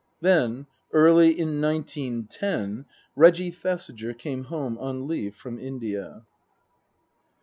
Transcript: Then early in nineteen ten Reggie Thesiger came home on leave from India.